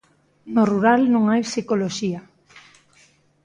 No rural non hai psicoloxía.